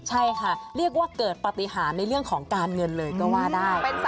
ใช่ค่ะเรียกว่าเกิดปฏิหารในเรื่องของการเงินเลยก็ว่าได้